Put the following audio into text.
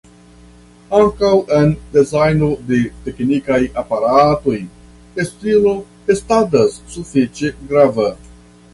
Ankaŭ en dezajno de teknikaj aparatoj stilo estadas sufiĉe grava.